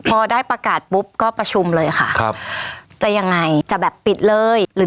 พอได้ประกาศปุ๊บก็ประชุมเลยค่ะครับจะยังไงจะแบบปิดเลยหรือ